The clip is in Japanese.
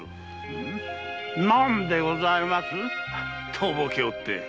とぼけおって。